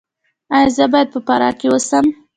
ایا زه باید په فراه کې اوسم؟